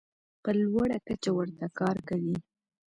په لوړه کچه ورته کار کوي.